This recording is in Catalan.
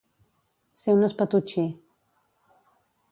Ser un espatotxí.